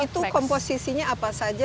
itu komposisinya apa saja